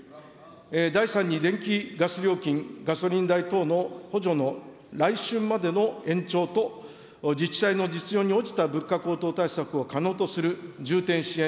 第３に電気・ガス料金、ガソリン代等の補助の来春までの延長と、自治体の実情に応じた物価高騰対策を可能とする重点支援